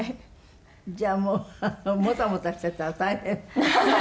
じゃあもうもたもたしてたら大変。